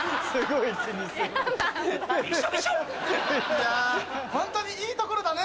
いやホントにいい所だね